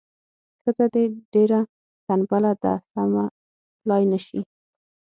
ښځه دې ډیره تنبله ده سمه تلای نه شي.